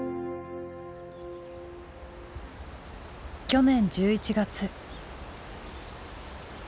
去年１１月。